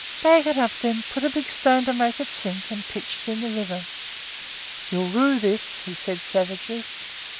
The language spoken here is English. "Bag it up, then; put a big stone to make it sink, and pitch it in the river." "You'll rue this," he said savagely.